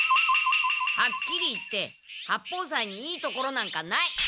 はっきり言って八方斎にいいところなんかない！